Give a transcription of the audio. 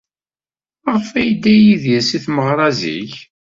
Maɣef ay yedda Yidir seg tmeɣra zik?